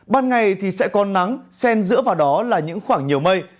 ban ngày thì sẽ có nắng sen dựa vào đó là những khoảng nhiều mây